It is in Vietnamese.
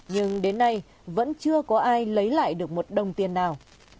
nhưng đến nay vẫn chưa có ai lấy lại được một đồng tiền nào